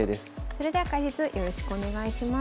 それでは解説よろしくお願いします。